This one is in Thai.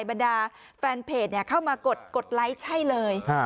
บรรดาแฟนเพจเนี้ยเข้ามากดกดไลก์ใช่เลยฮะ